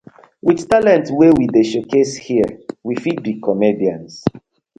With talent wey we dey show case here we fit be comedians.